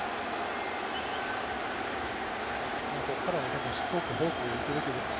ここからしつこくフォーク行くべきです。